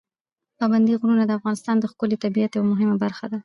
پابندي غرونه د افغانستان د ښکلي طبیعت یوه مهمه برخه ده.